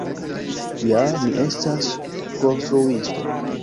Ja, mi estas konstruisto.